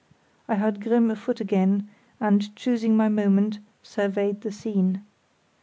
I heard Grimm afoot again, and, choosing my moment, surveyed the scene.